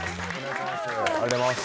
ありがとうございます